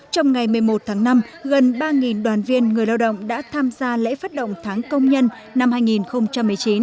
trong ngày một mươi một tháng năm gần ba đoàn viên người lao động đã tham gia lễ phát động tháng công nhân năm hai nghìn một mươi chín